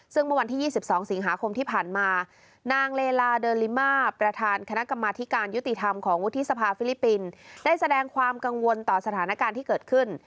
ซึ่งเมื่อวันที่๒๒สิงหาคมที่ผ่านมานางเลลาเดอร์ลิมาประธานคณะกรรมาธิการยุติธรรมของวุฒิสภาฟิลิปปินส์ได้แสดงความกังวลต่อสถานการณ์ที่เกิดขึ้น